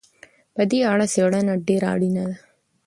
په دې اړه څېړنه ډېره اړينه ده.